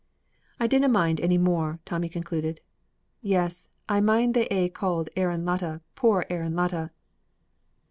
"I dinna mind any more," Tommy concluded. "Yes, I mind they aye called Aaron Latta 'Poor Aaron Latta.'"